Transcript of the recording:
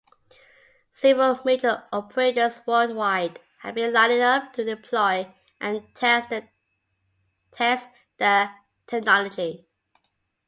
Several major operators worldwide have been lining-up to deploy and test the technology.